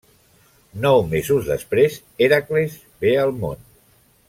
Nou mesos després, Hèracles ve al món.